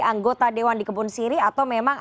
anggota dewan di kebun siri atau memang